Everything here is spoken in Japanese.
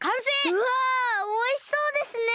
うわおいしそうですね。